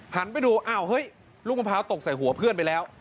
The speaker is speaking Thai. หันไปดูอ้าวเฮ้ยลูกมะพร้าวตกใส่หัวเพื่อนไปแล้ว